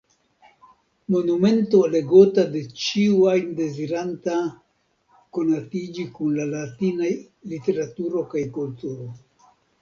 Monumento legota de ĉiu ajn deziranta konatiĝi kun la latinaj literaturo kaj kulturo.